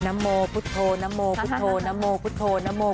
นัมโมพุทโธอะไรขึ้นพี่น้ำ